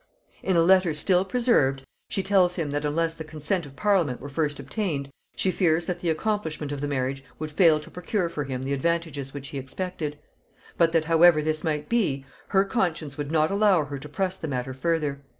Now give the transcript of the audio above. In a letter still preserved, she tells him, that unless the consent of parliament were first obtained, she fears that the accomplishment of the marriage would fail to procure for him the advantages which he expected; but that, however this might be, her conscience would not allow her to press the matter further.